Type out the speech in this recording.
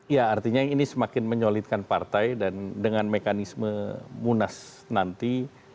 ya artinya ini semakin menyolidkan partai dan dengan mekanisme munas nanti